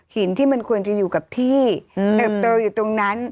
หินที่มันควรจะอยู่กับที่เติบโตอยู่ตรงนั้น